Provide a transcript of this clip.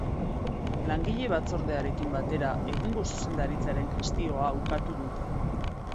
Langile batzordearekin batera, egungo zuzendaritzaren gestioa ukatu dute.